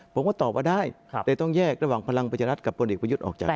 ผมก็ตอบว่าได้แต่ต้องแยกระหว่างพลังประชารัฐกับพลเอกประยุทธ์ออกจาก